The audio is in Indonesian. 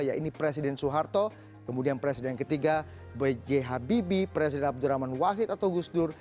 yaitu presiden soeharto kemudian presiden ketiga b j habibie presiden abdurrahman wahid atau gusdur